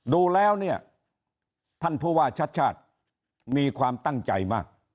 ดูแล้วเนี่ยท่านผู้ว่าชัดชาติมีความตั้งใจมาก